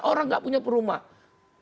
orang tidak punya perumahan